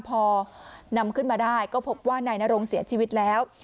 พอนำขึ้นมาได้ก็พบว่านายนรงเสียชีวิตแล้ว